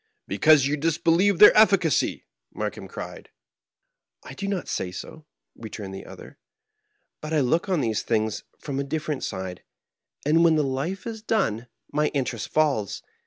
"Because you disbelieve their efficacy 1" Markheim cried. '•I do not say so," returned the other; "but I look on these things from a different side, and when the life is done my interest falls.